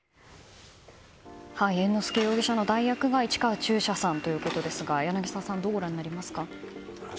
猿之助容疑者の代役が市川中車さんということですが柳澤さん、どうご覧になりますか。